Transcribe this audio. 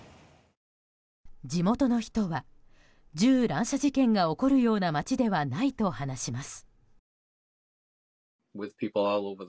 地元の人は銃乱射事件が起こるような街ではないと話します。